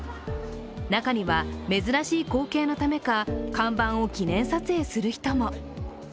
中には、珍しい光景のためか、看板を記念撮影する人も。